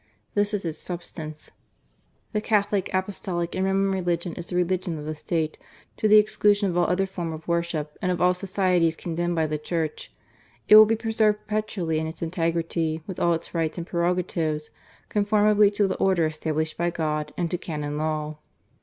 This is its substance: The Catholic, Apostolic and Roman religion is the religion of the State to the exclu sion of all other form of worship, and of all societies condemned by the Church. It will be preserved perpetually in its integrity, with all its rights and prerogatives, comformably to the order established by God, and to Canon Law.